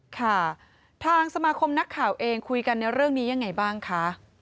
ค่ะทางสมาคมนักข่าวเองคุยกันในเรื่องนี้ยังไงบ้างคะ